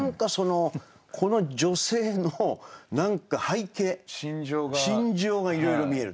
この女性の何か背景心情がいろいろ見える。